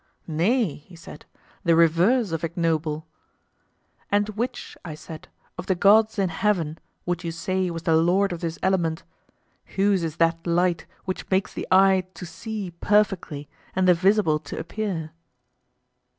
Nay, he said, the reverse of ignoble. And which, I said, of the gods in heaven would you say was the lord of this element? Whose is that light which makes the eye to see perfectly and the visible to appear?